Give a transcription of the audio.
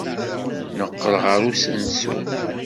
Neqqel ɣer usensu.